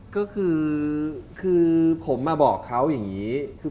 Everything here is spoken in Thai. ก็คือ